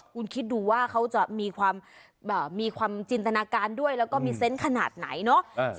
คุณคิดดูว่าเขาจะมีความจินตนาการด้วยแล้วก็มีเซนต์ขนาดไหนเนาะ